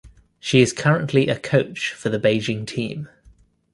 She is currently a coach for the Beijing team.